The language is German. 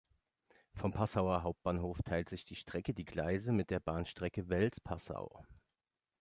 Vom Passauer Hauptbahnhof teilt sich die Strecke die Gleise mit der Bahnstrecke Wels–Passau.